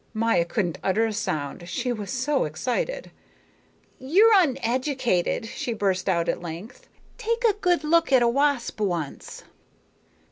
Maya couldn't utter a sound, she was so excited. "You're uneducated," she burst out at length. "Take a good look at a wasp once."